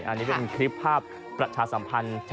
อันนี้เป็นคลิปภาพประชาสัมพันธ์